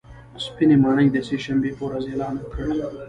سپینې ماڼۍ د سې شنبې په ورځ اعلان وکړ